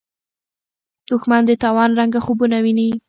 دښمن د تاوان رنګه خوبونه ویني